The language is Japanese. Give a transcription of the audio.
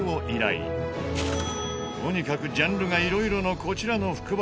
とにかくジャンルが色々のこちらの福箱。